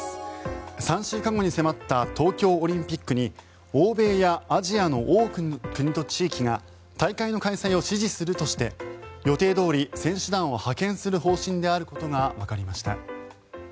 ３週間後に迫った東京オリンピックに欧米やアジアの多くの国と地域が大会の開催を支持するとして予定どおり選手団を派遣する方針であることがわかりました。